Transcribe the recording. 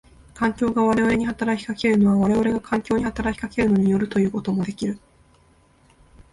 環境が我々に働きかけるのは我々が環境に働きかけるのに依るということもできる。